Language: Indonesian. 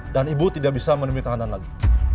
dan ibu tidak bisa menemui tahanan lagi